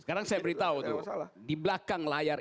sekarang saya beritahu di belakang layar